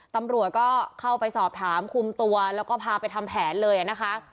ตำรวจก็เข้าไปสอบถามคุมตัวแล้วก็พาไปทำแผนเลยนะคะ